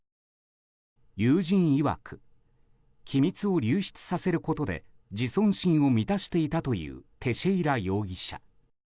友人いわく機密を流出させることで自尊心を満たしていたというテシェイラ容疑者。